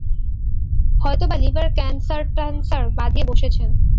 হয়তো বা লিভার ক্যানসারট্যানসার বাঁধিয়ে বসেছেন।